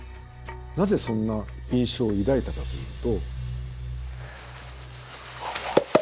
なぜそんな印象を抱いたかというと。